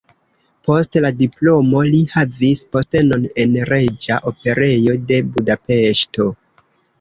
Post la diplomo li havis postenon en Reĝa Operejo de Budapeŝto.